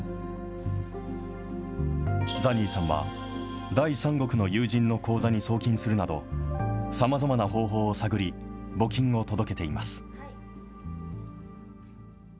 ザニーさんは第三国の友人の口座に送金するなど、さまざまな方法を探り、募金を届けています。